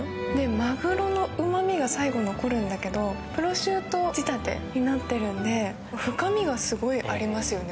まぐろのうまみが最後残るんだけどプロシュート仕立てになっているので深みがすごいありますよね。